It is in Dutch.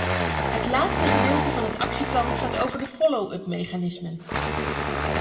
Het laatste gedeelte van het actieplan gaat over de follow-up mechanismen.